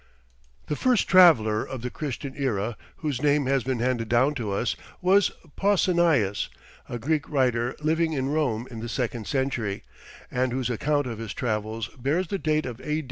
The first traveller of the Christian era, whose name has been handed down to us, was Pausanias, a Greek writer, living in Rome in the second century, and whose account of his travels bears the date of A.